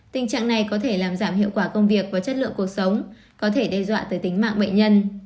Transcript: tình trạng này có thể làm giảm hiệu quả công việc và chất lượng cuộc sống có thể đe dọa tới tính mạng bệnh nhân